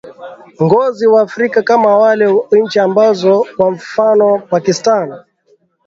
ngozi wa afrika kama wale wa nchi ambazo kwa mfano pakistan